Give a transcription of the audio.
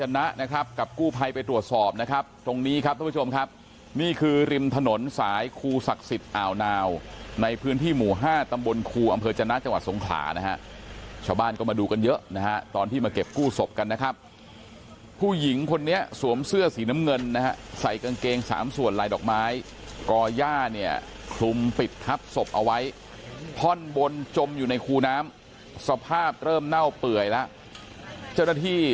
นี่คือริมถนนสายครูศักดิ์สิทธิ์อ่าวนาวในพื้นที่หมู่๕ตำบลครูอำเภอจันทร์จังหวัดสงขานะฮะชาวบ้านก็มาดูกันเยอะนะฮะตอนที่มาเก็บกู้ศพกันนะครับผู้หญิงคนนี้สวมเสื้อสีน้ำเงินนะฮะใส่กางเกงสามส่วนลายดอกไม้กรอย่าเนี่ยคลุมปิดทับศพเอาไว้พ่อนบนจมอยู่ในครูน้ำสภาพเริ่